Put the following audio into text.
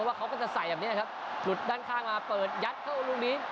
เขาก็จะใส่แบบนี้ครับหลุดด้านข้างมาเปิดยัดเข้าลูกนี้